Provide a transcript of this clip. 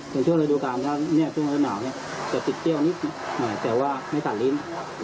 ถึงช่วงระดูการถ้าช่วงระดูการหนาวจะติดเจี๊ยวนิดหน่อยแต่ว่าไม่ตัดลิ้น